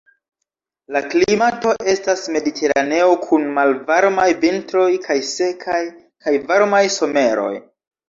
La klimato estas mediteraneo kun malvarmaj vintroj kaj sekaj kaj varmaj someroj.